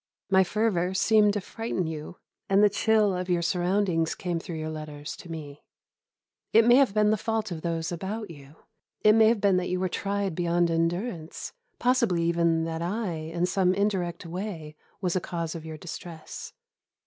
My fervour seemed to frighten you, and the chill of your surroundings came through your letters to me. It may have been the fault of those about you; it may have been that you were tried beyond endurance, possibly even that I, in some indirect way, was a cause of your distress.